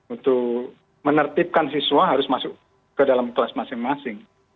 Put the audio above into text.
untuk menertibkan siswa harus masuk ke dalam kelas masing masing